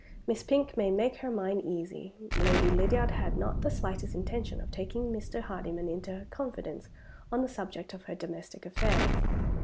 Miss Pink may make her mind easy. Lady Lydiard had not the slightest intention of taking Mr. Hardyman into her confidence on the subject of her domestic affairs.